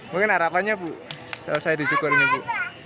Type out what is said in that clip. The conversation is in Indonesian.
mungkin harapannya bu selesai dicukur ini bu